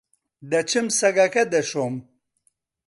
دەچم سەگەکە دەشۆم.